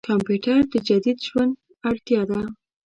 کمپيوټر د جديد ژوند اړتياده.